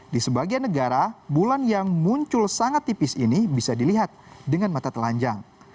di sebagian negara bulan yang muncul sangat tipis ini bisa dilihat dengan mata telanjang